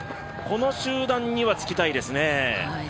この集団には、つきたいですね。